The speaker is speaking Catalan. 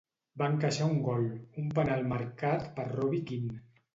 Va encaixar un gol, un penal marcat per Robbie Keane.